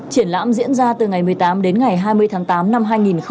triển lãm diễn ra từ ngày một mươi tám đến ngày hai mươi tháng tám năm hai nghìn một mươi chín